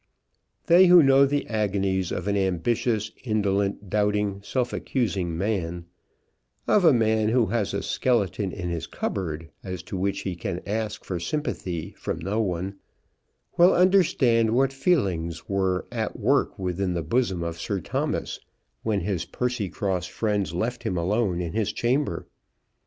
They who know the agonies of an ambitious, indolent, doubting, self accusing man, of a man who has a skeleton in his cupboard as to which he can ask for sympathy from no one, will understand what feelings were at work within the bosom of Sir Thomas when his Percycross friends left him alone in his chamber.